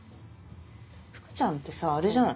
福ちゃんってさあれじゃない？